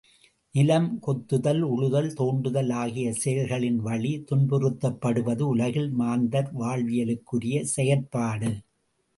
நிலம் கொத்துதல், உழுதல், தோண்டுதல் ஆகிய செயல்களின் வழி, துன்புறுத்தப்படுவது, உலகில் மாந்தர் வாழ்வியலுக்குரிய செயற்பாடு.